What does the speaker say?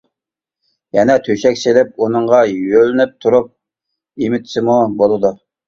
يەنە تۆشەك سېلىپ، ئۇنىڭغا يۆلىنىپ تۇرۇپ ئېمىتسىمۇ بولىدۇ.